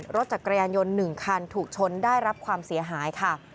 รถจักรยานยนต์๑คันถูกชนได้รับความเสียหายค่ะ